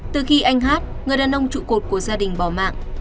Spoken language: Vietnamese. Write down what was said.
từ khi anh hát người đàn ông trụ cột của gia đình bỏ mạng